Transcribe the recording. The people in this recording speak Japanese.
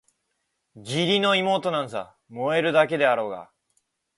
義理の妹なんざ萌えるだけだろうがあ！